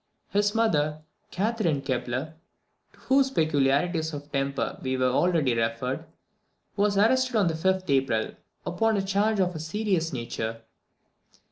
His mother, Catherine Kepler, to whose peculiarities of temper we have already referred, was arrested on the 5th April, upon a charge of a very serious nature.